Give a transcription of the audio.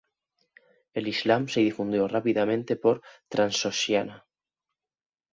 El Islam se difundió rápidamente por Transoxiana.